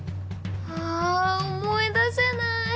あ思い出せない！